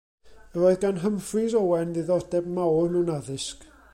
Yr oedd gan Humphreys-Owen ddiddordeb mawr mewn addysg.